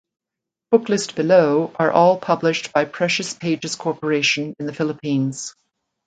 Book list below are all published by Precious Pages Corporation in the Philippines.